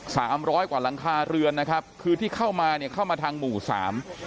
สามร้อยกว่าหลังคาเรือนนะครับคือที่เข้ามาเนี่ยเข้ามาทางหมู่สาม